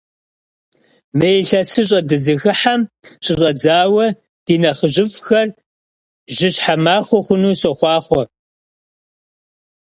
Mı yilhesış'e dızıxıhem şış'edzaue di nexhıjıf'xer jışhe maxue xhunu soxhuaxhue!